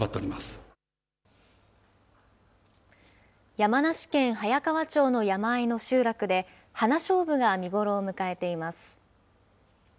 山梨県早川町の山あいの集落で、ハナショウブが見頃を迎えています。